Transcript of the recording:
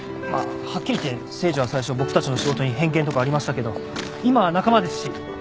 まあはっきり言って誠治は最初僕たちの仕事に偏見とかありましたけど今は仲間ですし。